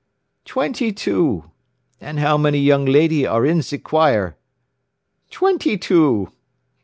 Twenty two! And how many young lady are in ze choir? Twenty two!